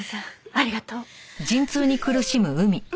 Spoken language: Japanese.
ありがとう。